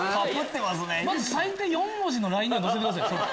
最低４文字のラインには乗せてください。